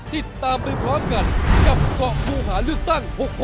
ติดตามไปพร้อมกันกับเกาะผู้หาเลือกตั้ง